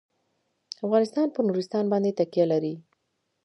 افغانستان په نورستان باندې تکیه لري.